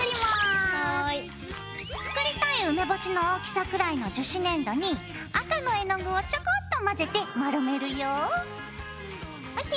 作りたい梅干しの大きさくらいの樹脂粘土に赤の絵の具をちょこっと混ぜて丸めるよ。ＯＫ。